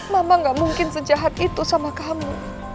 mama gak mungkin sejahat itu sama kamu